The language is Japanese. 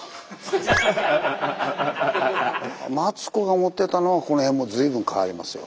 マツコが持ってたのはこの辺も随分変わりますよ。